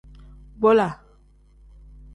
Bola.